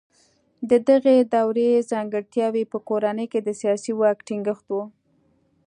د دغې دورې ځانګړتیاوې په کورنۍ کې د سیاسي واک ټینګښت و.